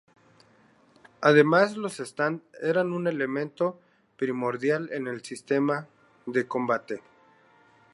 Además, los Stand eran un elemento primordial en el sistema de combate.